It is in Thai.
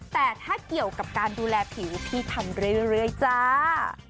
แต่ถ้าเกี่ยวกับการดูแลผิวพี่ทำเรื่อยจ้า